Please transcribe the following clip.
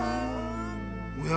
おや？